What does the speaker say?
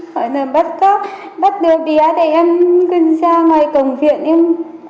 hỏi là bắt cóc bắt đứa bé thì em gần xa ngoài cổng viện